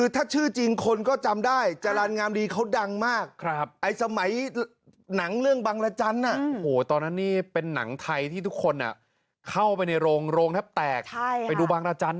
ตอนนั้นนี่เป็นนางไทยที่ทุกคนเข้าไปในโรงโรงทัพแตกไปดูบังระจาน